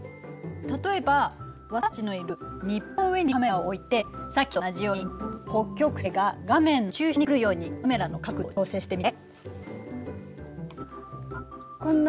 例えば私たちのいる日本の上にカメラを置いてさっきと同じように北極星が画面の中心に来るようにカメラの角度を調整してみて。